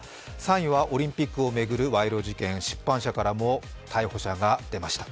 ３位はオリンピックを巡る賄賂事件、出版社からも逮捕者が出ました。